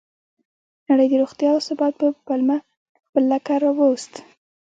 نړۍ د روغتیا او ثبات په پلمه خپل لښکر راوست.